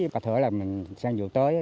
bà thử mình sang vụ tới